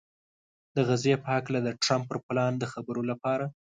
د غزې په هکله د ټرمپ پر پلان د خبرو لپاره